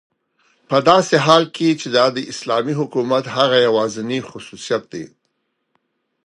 په داسي حال كې چې دا داسلامي حكومت هغه يوازينى خصوصيت دى